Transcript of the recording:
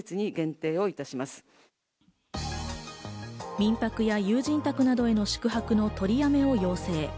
民泊や友人宅などへの宿泊の取りやめを要請。